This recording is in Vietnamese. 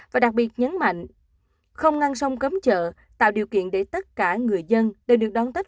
và đặc biệt nhấn mạnh không ngăn sông cấm chợ tạo điều kiện để tất cả người dân đều được đón tết